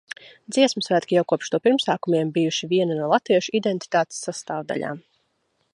Dziesmu svētki jau kopš to pirmsākumiem bijuši viena no latviešu identitātes sastāvdaļām.